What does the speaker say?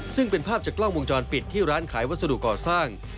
ซึ่งเป็นภาพจากกล้องวงจรปิดที่ร้านขายวัสดุก่อสร้าง